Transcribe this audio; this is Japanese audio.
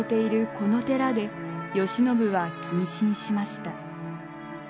この寺で慶喜は謹慎しました。